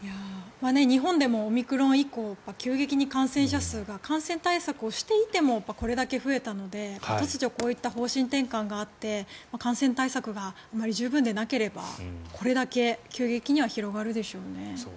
日本でもオミクロン以降急激に感染者数が感染対策をしていてもこれだけ増えたので、突如こういった方針転換があって感染対策があまり十分でなければこれだけ急激には広がるでしょうね。